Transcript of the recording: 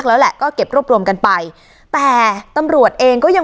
สลับผัดเปลี่ยนกันงมค้นหาต่อเนื่อง๑๐ชั่วโมงด้วยกัน